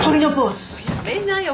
やめなよ。